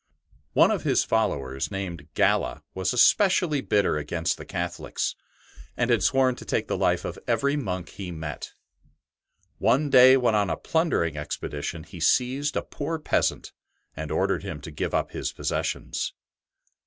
One of his followers, named Galla, was especially bitter against the Catholics, and had sworn to take the life of every monk he met. One day, when on a plundering expedition, he seized a poor peasant and ordered him to give up his possessions.